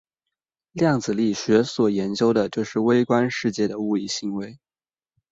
量子力学所研究的就是微观世界的物理行为。